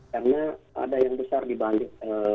karena ada yang besar dibalik